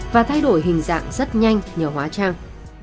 và thay đổi hình dạng rất nhanh nhờ hóa trang